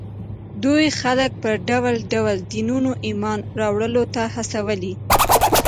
دوی خلک پر ډول ډول دینونو ایمان راوړلو ته هڅولي